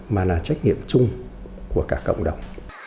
mà là trách nhiệm chung của cả cộng đồng